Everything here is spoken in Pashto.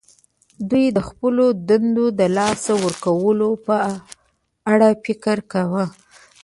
دوی د خپلو دندو د لاسه ورکولو په اړه فکر کاوه